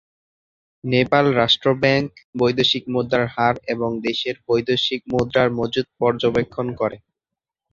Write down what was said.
নেপাল রাষ্ট্র ব্যাংক বৈদেশিক মুদ্রার হার এবং দেশের বৈদেশিক মুদ্রার মজুদ পর্যবেক্ষণ করে।